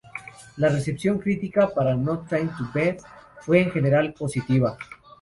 La recepción crítica para No Time to Bleed fue en general positiva.